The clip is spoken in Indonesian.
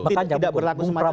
tidak berlaku semacam itu